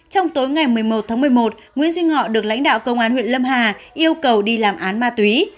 trong tối ngày một mươi một tháng một mươi một nguyễn duy ngọ được lãnh đạo công an huyện lâm hà yêu cầu đi làm án ma túy